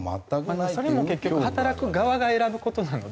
それも結局働く側が選ぶ事なので。